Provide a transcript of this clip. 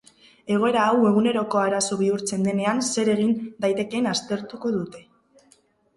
Egoera hau eguneroko arazo bihurtzen denean zer egin daitekeen aztertuko dute.